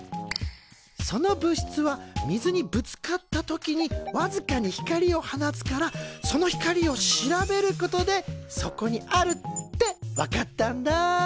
その物質は水にぶつかった時にわずかに光を放つからその光を調べることでそこにあるって分かったんだ。